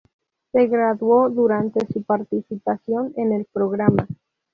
Se graduó durante su participación en el programa.